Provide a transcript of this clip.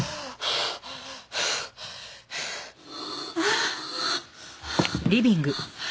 ああ。